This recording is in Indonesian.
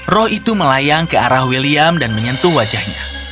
roh itu melayang ke arah william dan menyentuh wajahnya